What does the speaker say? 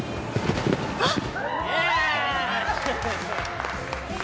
あっ。